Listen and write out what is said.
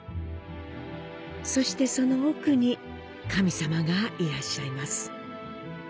そしてその奥に神様がいらっしゃいます。